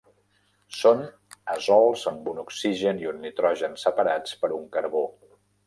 Són azols amb un oxigen i un nitrogen separats per un carbó.